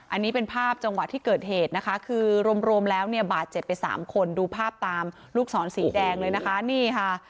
อันนี้เป็นภาพจังหวะที่เกิดเหตุนะคะคือรวมแล้วเนี่ยบาดเจ็บไปสามคนดูภาพตามลูกศรสีแดงเลยนะคะนี่ค่ะ